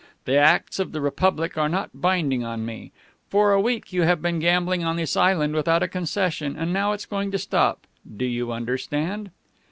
The acts of the Republic are not binding on me. For a week you have been gambling on this island without a concession and now it's going to stop. Do you understand?"